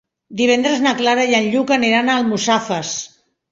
Divendres na Clara i en Lluc aniran a Almussafes.